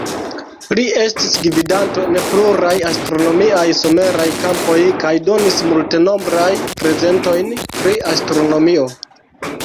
Li estis gvidanto en pluraj astronomiaj someraj kampoj kaj donis multenombraj prezentojn pri astronomio.